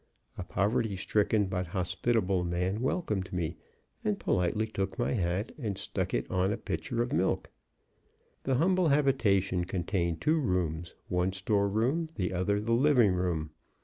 A poverty stricken but hospitable man welcomed me, and politely took my hat and stuck it on a pitcher of milk. The humble habitation contained two rooms, one store room, the other the living room.